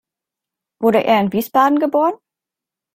Wurde er in Wiesbaden geboren?